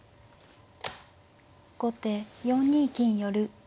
後手４二金寄。